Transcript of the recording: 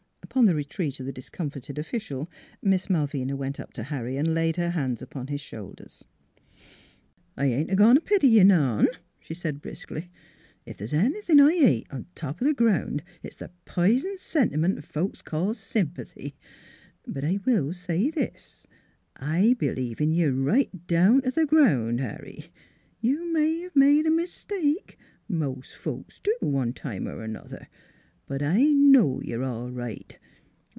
Upon the retreat of the discomfited official Miss Malvina went up to Harry and laid her hands upon his shoulders. " I ain't a goin' t' pity you none," she said briskly. " Ef the's anythin' I hate on top th' ground it's the pison sentiment folks call sympa thy; but I will say this: I believe in you right down t' the ground, Harry. You may 'ave made a mistake mos' folks do, one time er another. But I know you're all right.